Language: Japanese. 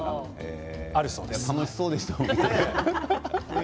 楽しそうでしたもんね。